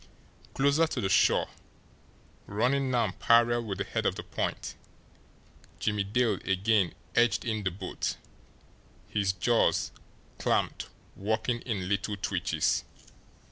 Closer to the shore, running now parallel with the head of the point, Jimmie Dale again edged in the boat, his jaws, clamped, working in little twitches.